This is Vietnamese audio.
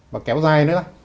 và kéo dài nữa